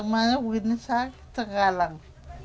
nggak sakit cuma begini sakit sekarang